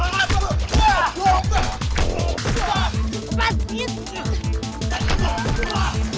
keragam agaknya kamu lagi masseur